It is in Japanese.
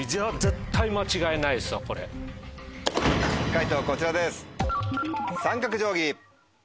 解答こちらです。